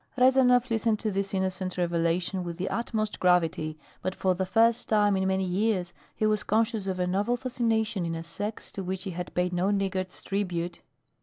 Rezanov listened to this innocent revelation with the utmost gravity, but for the first time in many years he was conscious of a novel fascination in a sex to which he had paid no niggard's tribute.